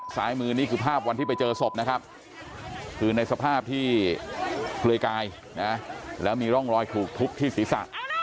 ซ้ายมือนี่คือภาพวันที่ไปเจอศพนะครับคือในสภาพที่เปลือยกายนะแล้วมีร่องรอยถูกทุบที่ศีรษะ